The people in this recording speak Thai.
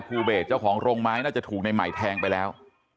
เบสเจ้าของโรงไม้น่าจะถูกในใหม่แทงไปแล้ว